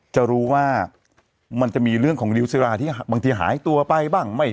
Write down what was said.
จะรู้ว่ามันจะมีเรื่องของริวซิราที่บางทีหายตัวไปบ้าง